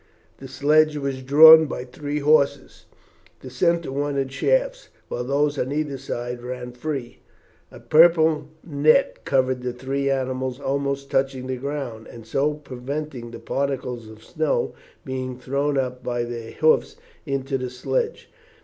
The sledge was drawn by three horses the centre one in shafts, while those on either side ran free. A purple net covered the three animals almost touching the ground, and so preventing the particles of snow being thrown up by their hoofs into the sledge.